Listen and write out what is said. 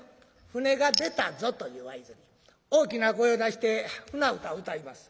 船が出たぞという合図に大きな声を出して舟唄歌います。